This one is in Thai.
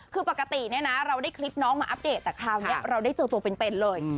คือปกติเนี่ยนะเราได้คลิปน้องมาอัปเดตแต่คราวนี้เราได้เจอตัวเป็นเลย